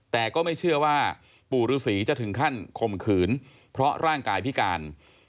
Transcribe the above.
แต่ก็ไม่เชื่อว่าปู่ฤษีจะถึงขั้นข่มขืนเพราะร่างกายพิการ